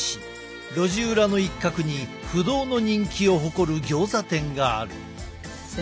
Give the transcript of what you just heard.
路地裏の一角に不動の人気を誇るギョーザ店がある。